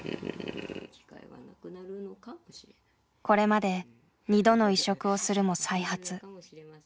これまで２度の移植をするも再発。